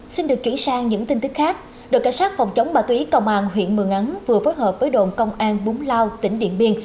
xin được chuyển sang những tin tức khác đội cảnh sát phòng chống bà tùy công an huyện mường ấn vừa phối hợp với đồn công an búng lao tỉnh điện biên